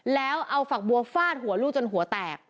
แล้วเอาฝักบัวฟาดหัวลูกจนหัวแตก